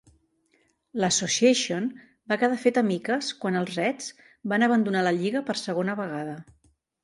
L'Association va quedar feta miques quan els Reds van abandonar la lliga per segona vegada.